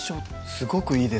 すごくいいですね